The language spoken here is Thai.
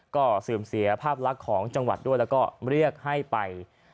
ก็เสื่อมเสียภาพลักษณ์ของจังหวัดด้วยแล้วก็เรียกให้ไป